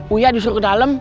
uya disuruh ke dalam